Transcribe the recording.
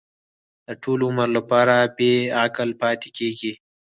د ټول عمر لپاره بې عقل پاتې کېږي.